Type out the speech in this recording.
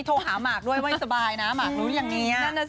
อื้ออื้ออื้ออื้อ